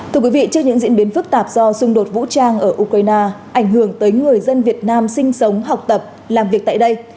thưa quý vị trước những diễn biến phức tạp do xung đột vũ trang ở ukraine ảnh hưởng tới người dân việt nam sinh sống học tập làm việc tại đây